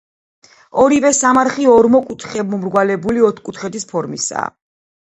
ორივე სამარხი ორმო კუთხეებმომრგვალებული ოთხკუთხედის ფორმისაა.